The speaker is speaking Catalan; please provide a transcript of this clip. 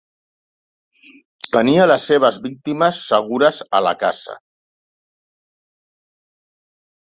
Tenia les seves víctimes segures a la casa.